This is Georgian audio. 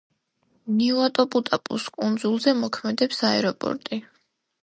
ნიუატოპუტაპუს კუნძულზე მოქმედებს აეროპორტი.